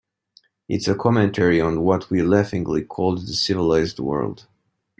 It's a commentary on what we laughingly call the civilized world.